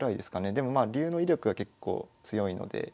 でもまあ竜の威力が結構強いので。